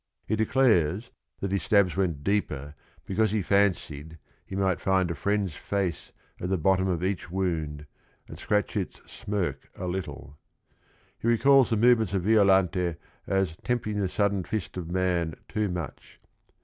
He declares that his stabs went deeper because he fancied he might find "a friend's face at the bottom of each wound and scratch its smirk a little." He recalls the movements of Violante as "tempting the sudden fist of man too much."